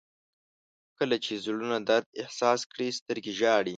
• کله چې زړونه درد احساس کړي، سترګې ژاړي.